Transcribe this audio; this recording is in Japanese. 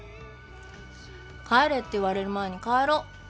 「帰れ」って言われる前に帰ろう。